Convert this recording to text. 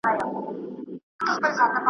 د میني کور وو د فتح او د رابیا کلی دی .